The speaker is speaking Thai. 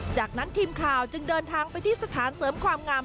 จากนั้นทีมข่าวจึงเดินทางไปที่สถานเสริมความงาม